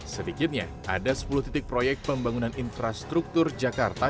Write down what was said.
sedikitnya ada sepuluh titik proyek pembangunan infrastruktur jakarta